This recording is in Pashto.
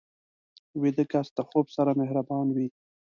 ویده کس د خوب سره مهربان وي